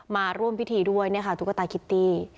มาร่วมพิธีด้วยตุ๊กตาคิตตี้